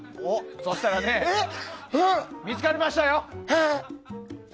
そうしたらね見つかりましたよ！